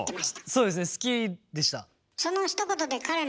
そうですね好きでした。